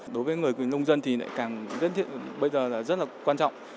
đối với người nông dân thì bây giờ rất là quan trọng